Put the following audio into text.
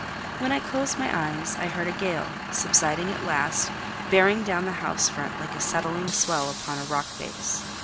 When I closed my eyes, I heard a gale, subsiding at last, bearing upon the house front like a settling swell upon a rock base.